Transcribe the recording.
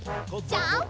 ジャンプ！